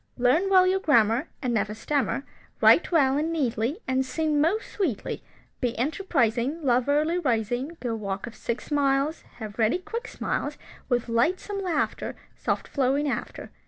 Learn well your grammar, And never stammer, Write well and neatly, And sing most sweetly, Be enterprising , Love early rising, Go walk of six miles, Have ready quick smiles, With lightsome laughter, Soft flowing after.